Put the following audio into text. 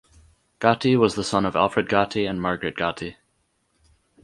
Gatty was the son of Alfred Gatty and Margaret Gatty.